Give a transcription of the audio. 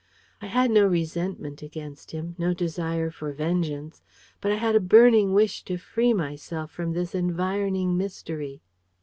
I had no resentment against him, no desire for vengeance. But I had a burning wish to free myself from this environing mystery.